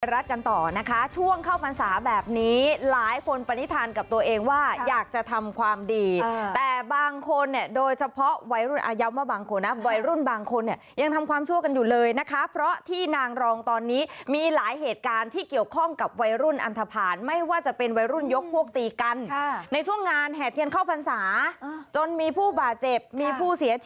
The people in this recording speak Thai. รัฐกันต่อนะคะช่วงเข้าพรรษาแบบนี้หลายคนปณิธานกับตัวเองว่าอยากจะทำความดีแต่บางคนเนี่ยโดยเฉพาะวัยรุ่นย้ำว่าบางคนนะวัยรุ่นบางคนเนี่ยยังทำความชั่วกันอยู่เลยนะคะเพราะที่นางรองตอนนี้มีหลายเหตุการณ์ที่เกี่ยวข้องกับวัยรุ่นอันทภาณไม่ว่าจะเป็นวัยรุ่นยกพวกตีกันในช่วงงานแห่เทียนเข้าพรรษาจนมีผู้บาดเจ็บมีผู้เสีย